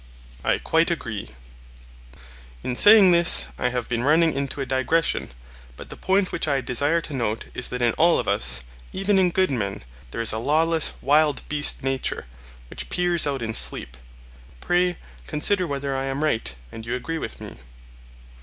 I quite agree. In saying this I have been running into a digression; but the point which I desire to note is that in all of us, even in good men, there is a lawless wild beast nature, which peers out in sleep. Pray, consider whether I am right, and you agree with me.